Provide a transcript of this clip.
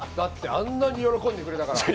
あんなに喜んでくれたから。